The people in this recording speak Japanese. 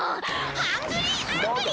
ハングリーアングリー！